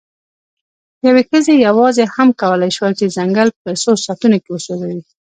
یوې ښځې یواځې هم کولی شول، چې ځنګل په څو ساعتونو کې وسوځوي.